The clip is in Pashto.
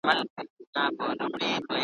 د هجر داغ مي زخم ناصور دی ,